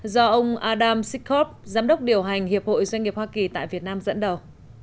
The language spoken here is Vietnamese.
do ông adam sikhov giám đốc điều hành hiệp hội doanh nghiệp hoa kỳ tại việt nam dẫn đầu